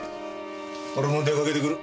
俺も出かけてくる。